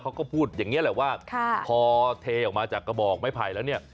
เขาก็พูดอย่างนี้แหละว่าพอเทออกมาจากกระบอกไม้ไผ่แล้วเนี่ย